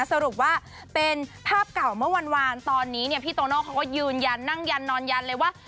สรุปว่าเป็นภาพเก่าเมื่อวานตอนนี้เนี่ยพี่โตโน่เขาก็ยืนยันนั่งยันนอนยันเลยว่า